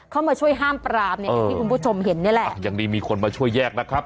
เข้ามาช่วยห้ามปรามเนี่ยอย่างที่คุณผู้ชมเห็นนี่แหละยังดีมีคนมาช่วยแยกนะครับ